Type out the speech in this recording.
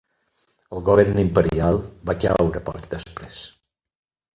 El govern imperial va caure poc després.